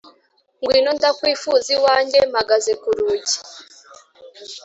Ngwino ndakwifuza iwanjye mpagaze kurugi